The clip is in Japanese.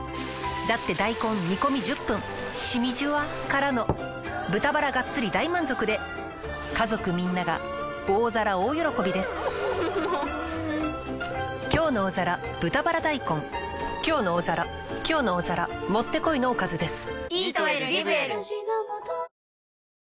だって大根煮込み１０分しみじゅわからの豚バラがっつり大満足で家族みんなが大皿大喜びです「きょうの大皿」「きょうの大皿」もってこいのおかずです。